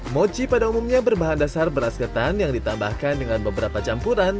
mochi pada umumnya berbahan dasar beras ketan yang ditambahkan dengan beberapa campuran